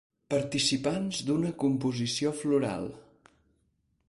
Participants d’una composició floral.